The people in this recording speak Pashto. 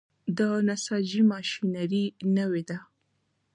د نساجي ماشینري نوې ده؟